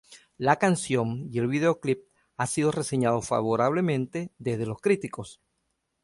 La canción y el videoclip ha sido reseñado favorablemente desde los críticos.